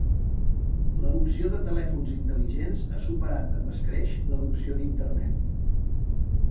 L'adopció de telèfons intel·ligents ha superat amb escreix l'adopció d'Internet.